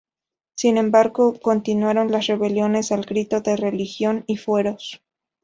Sin embargo, continuaron las rebeliones al grito de "¡Religión y fueros!